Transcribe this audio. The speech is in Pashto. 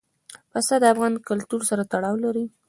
پسه د افغان کلتور سره تړاو لري.